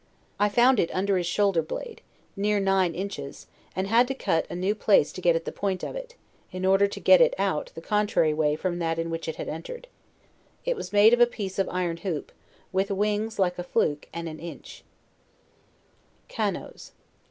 I found it under his shoulder blade, near nine inches, and had to cut a new place to get at the point of it, in order to get it out the contrary way from that in which it had en tered: it was made of a piece of an iron hoop, with wings like a fluke and an inche. GANGES.